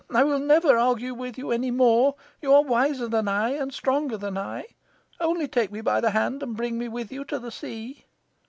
I will never argue with you any more. You are wiser than I and stronger than I. Only take me by the hand and bring me with you to the sea."